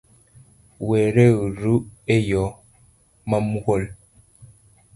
Wereuru eyo mamuol